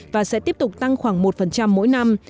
và sẽ tiếp tục tăng khoảng một mỗi năm